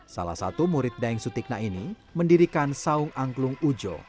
salah satu murid daeng sutikna ini mendirikan saung angklung ujo